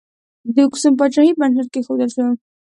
د اکسوم پاچاهۍ بنسټ کښودل شو.